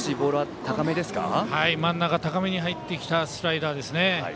真ん中高めに入ってきたスライダーですね。